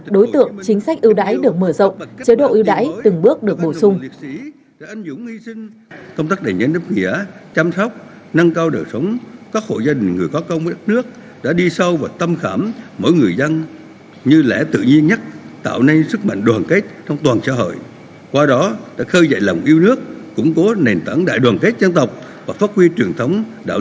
đối tượng chính sách ưu đãi được mở rộng chế độ ưu đãi từng bước được bổ sung